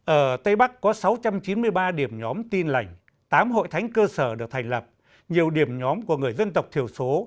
ở tây bắc có sáu trăm chín mươi ba điểm nhóm tin lành tám hội thánh cơ sở được thành lập nhiều điểm nhóm của người dân tộc thiểu số